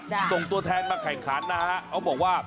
ส่งตัวแทนมาแข่งขันนะฮะเขาบอกว่า